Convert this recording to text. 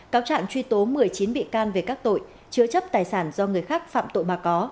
cáo trạng truy tố một mươi chín bị can về các tội chứa chấp tài sản do người khác phạm tội mà có